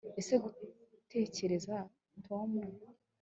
ese gutekereza, tom